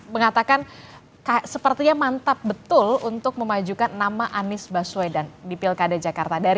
mengatakan sepertinya mantap betul untuk memajukan nama anies baswedan di pilkada jakarta